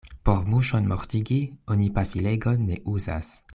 Por muŝon mortigi, oni pafilegon ne uzas.